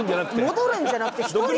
戻るんじゃなくて１人で。